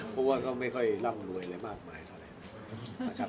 เพราะว่าก็ไม่ค่อยร่ำรวยอะไรมากมายเท่าไหร่นะครับ